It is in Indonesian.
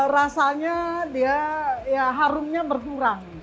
rasanya dia ya harumnya berkurang